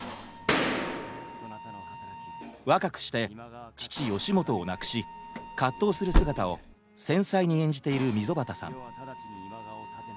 若くして父義元を亡くし葛藤する姿を繊細に演じている溝端さん。